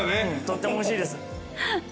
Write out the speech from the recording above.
とってもおいしいです。